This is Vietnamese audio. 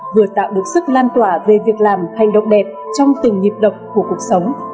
vừa tạo được sức lan tỏa về việc làm hành động đẹp trong từng nhịp độc của cuộc sống